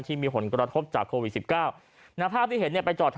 ที่มีผลกระทบจากโควิดสิบเก้าณภาพที่เห็นเนี่ยไปจอด